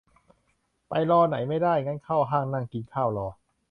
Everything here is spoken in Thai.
ไปรอไหนไม่ได้ งั้นเข้าห้างนั่งกินข้าวรอ